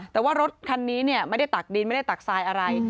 แต่ว่ารถคันนี้ไม่ได้ตักดินไม่ได้ตักทรายอะไร